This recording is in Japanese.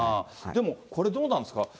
でもこれ、どうなんですか。